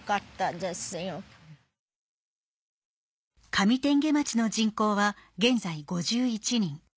上天花町の人口は現在５１人。